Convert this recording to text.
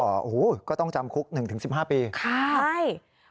โอ้โฮก็ต้องจำคุก๑๑๕ปีครับ